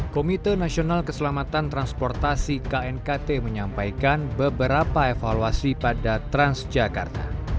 komite nasional keselamatan transportasi knkt menyampaikan beberapa evaluasi pada transjakarta